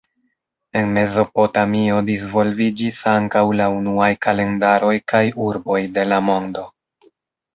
En Mezopotamio disvolviĝis ankaŭ la unuaj kalendaroj kaj urboj de la mondo.